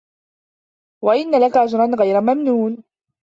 وَإِنَّ لَكَ لَأَجرًا غَيرَ مَمنونٍ